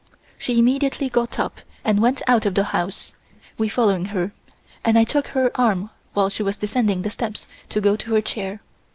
She immediately got up and went out of the house, we following her, and I took her arm while she was descending the steps to go to her chair.